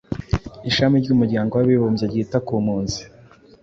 ishami ry’umuryango w’abibumbye ryita ku mpunzi)